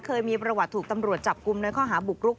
เคยมีประวัติถูกตำรวจจับกลุ่มในข้อหาบุกรุก